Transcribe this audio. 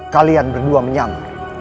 kalian berdua menyamuk